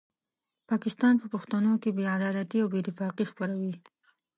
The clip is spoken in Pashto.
پاکستان په پښتنو کې بې عدالتي او بې اتفاقي خپروي.